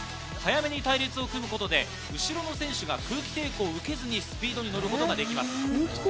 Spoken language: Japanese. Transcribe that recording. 早めに隊列を組むことで後ろの選手が空気抵抗を受けずにスピードに乗ることができます。